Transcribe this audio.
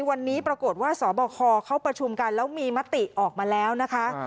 วันนี้ปรากฏว่าสบคเขาประชุมกันแล้วมีมติออกมาแล้วนะคะ